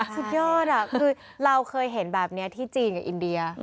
สุดยอดคือเราเคยเห็นแบบนี้ที่จีนกับอินเดีย